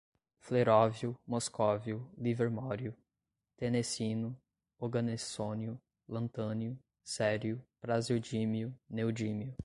fleróvio, moscóvio, livermório, tenessino, oganessônio, lantânio, cério, praseodímio, neodímio